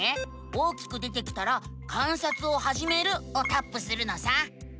大きく出てきたら「観察をはじめる」をタップするのさ！